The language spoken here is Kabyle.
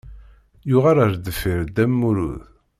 Yuɣal ar deffir Dda Lmulud.